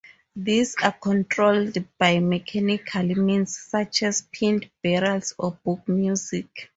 These are controlled by mechanical means such as pinned barrels or book music.